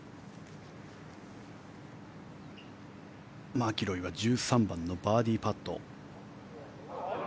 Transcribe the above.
マキロイは１３番のバーディーパット。